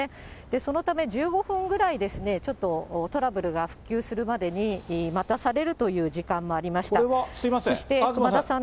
そのため、１５分ぐらい、ちょっとトラブルが復旧するまでに待たされるという時間もありまこれはすみません。